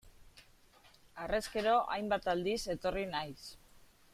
Harrezkero, hainbat aldiz etorri naiz.